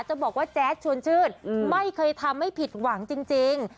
จะบอกว่าแจ๊ดชวนชื่นไม่เคยทำให้ผิดหวังจริง